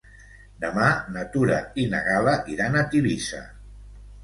Demà na Tura i na Gal·la iran a Tivissa.